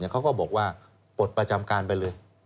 เขาก็บอกว่าปลดประจำการไปเลย